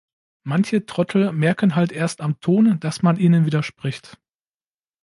Manche Trottel merken halt erst am Ton, dass man ihnen widerspricht.